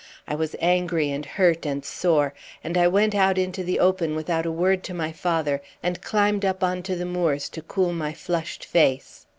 I was angry and hurt and sore, and I went out into the open without a word to my father, and climbed up on to the moors to cool my flushed face.